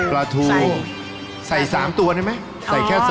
ปลาทูใส่๓ตัวได้ไหมใส่แค่๑๐